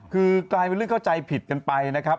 คือกลายเป็นเรื่องเข้าใจผิดกันไปนะครับ